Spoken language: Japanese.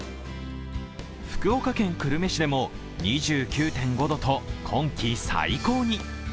福岡県久留米市でも２９．５度と今季最高に。